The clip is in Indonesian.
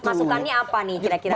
masukannya apa nih kira kira